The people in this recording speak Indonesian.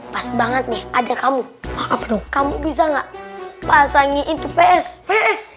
pas banget nih ada kamu kamu bisa enggak pasangin itu ps ps